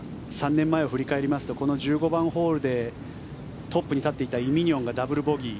３年前を振り返りますとこの１５番ホールでトップに立っていたイ・ミニョンがダブルボギー。